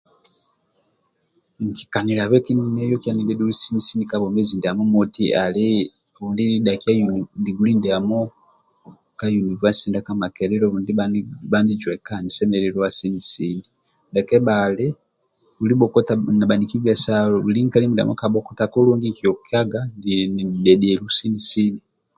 Nikikaniliabe kima ndia nieyilia ninidhedhelu sini sini ali ndie nidhakia diguli ndiamo ka univasite ndia ka makelele obu ndia bhanijueka nidhedhelua sini sini ndia kebhali buli bhoko nili na bhaniki bhesalo bhuli nkali mindiamo bhokota kulungi nkiokaga ninidhedhelu sini sini